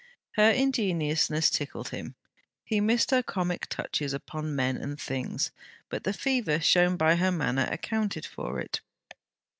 Her ingenuousness tickled him. He missed her comic touches upon men and things, but the fever shown by her manner accounted for it.